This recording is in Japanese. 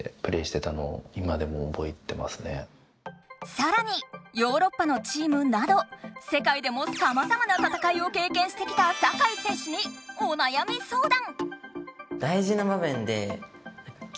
さらにヨーロッパのチームなど世界でもさまざまな戦いをけいけんしてきた酒井選手にお悩み相談！